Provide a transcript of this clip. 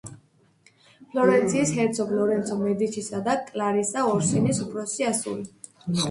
ფლორენციის ჰერცოგ ლორენცო მედიჩისა და კლარისა ორსინის უფროსი ასული.